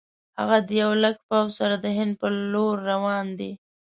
هغه د یو لک پوځ سره د هند پر لور روان دی.